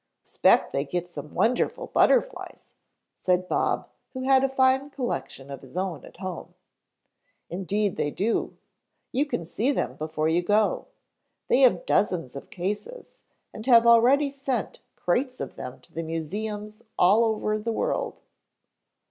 "Expect they get some wonderful butterflies," said Bob, who had a fine collection of his own at home. "Indeed they do. You can see them before you go. They have dozens of cases, and have already sent crates of them to the museums all over the world."